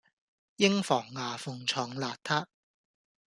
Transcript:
應防牙縫藏邋遢